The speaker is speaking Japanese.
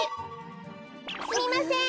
すみません